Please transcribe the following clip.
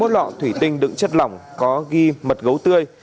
hai mươi một lọ thủy tinh đựng chất lỏng có ghi mật gấu tươi